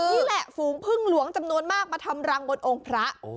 ฝูงพึ่งหลวงจำนวนมากมาทำรังบนองค์พระ